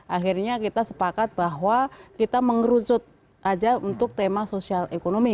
akhirnya kita sepakat bahwa kita mengerucut aja untuk tema sosial ekonomi